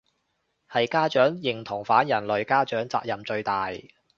係家長認同反人類，家長責任最大